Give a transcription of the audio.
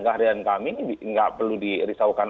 kehadiran kami ini nggak perlu dirisaukan